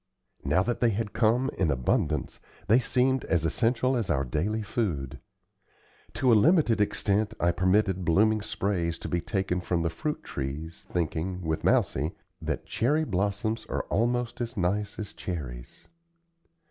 Now that they had come in abundance, they seemed as essential as our daily food. To a limited extent I permitted blooming sprays to be taken from the fruit trees, thinking, with Mousie, that "cherry blossoms are almost as nice as cherries."